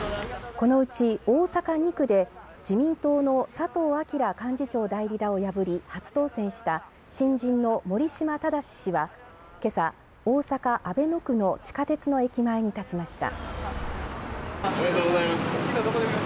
このうち大阪２区で自民党の左藤章幹事長代理らを破り初当選した新人の守島正氏はけさ、大阪、阿倍野区の地下鉄の駅前に立ちました。